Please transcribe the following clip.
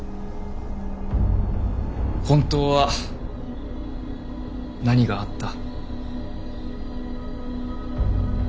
本当は何があった。